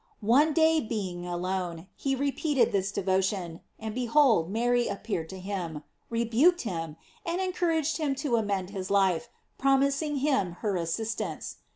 One day, being alone, he repeated this devotion, and behold Mary appeared to him, rebuked him, and encouraged him to amend his life, promising him her assistance.